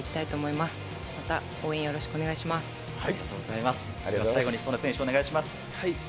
では最後に素根選手、お願いします。